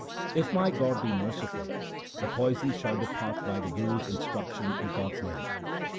If my God be merciful, the poison shall depart by the Guru's instruction and God's name.